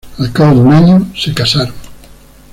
Al cabo de un año, se casaron.